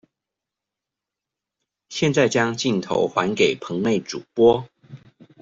現在將鏡頭還給棚內主播